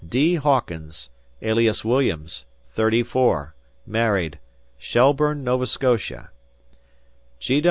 "D. Hawkins, alias Williams, 34, married, Shelbourne, Nova Scotia.